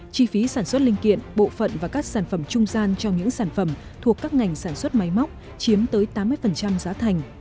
chi phí sản xuất linh kiện bộ phận và các sản phẩm trung gian cho những sản phẩm thuộc các ngành sản xuất máy móc chiếm tới tám mươi giá thành